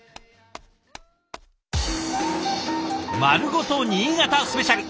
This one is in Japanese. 「まるごと新潟スペシャル」。